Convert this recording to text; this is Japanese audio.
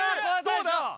どうだ？